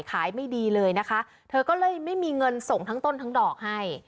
ไม่ดีเลยนะคะเธอก็เลยไม่มีเงินส่งทั้งต้นทั้งดอกให้